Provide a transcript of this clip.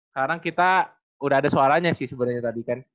sekarang kita udah ada suaranya sih sebenarnya tadi kan